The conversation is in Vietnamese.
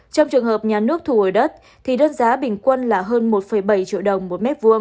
trong trường hợp nhà nước thu hồi đất thì đơn giá bình quân là hơn một bảy triệu đồng một m hai